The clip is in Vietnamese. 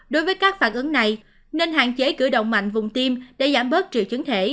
đối với các phản ứng này nên hạn chế cử động mạnh vùng tiêm để giảm bớt triệu chứng thể